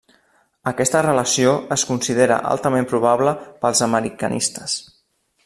Aquesta relació es considera altament probable pels americanistes.